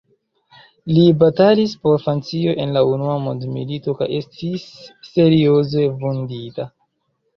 Li batalis por Francio en la Unua Mondmilito kaj estis serioze vundita.